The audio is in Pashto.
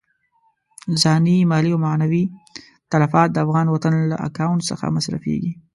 ځاني، مالي او معنوي تلفات د افغان وطن له اکاونټ څخه مصرفېږي.